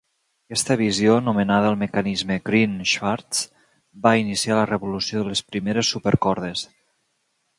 Aquesta visió, nomenada el mecanisme Green-Schwarz, va iniciar la revolució de les primeres supercordes.